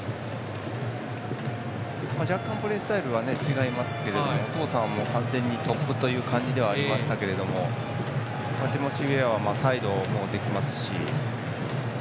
若干プレースタイルは違いますがお父さんは完全にトップという感じでしたけれどもティモシー・ウェアはサイドもできますし。